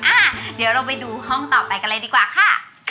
อ่ะเดี๋ยวเราไปดูห้องต่อไปกันเลยดีกว่าค่ะ